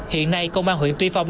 hiện nay công an huyện tuy phong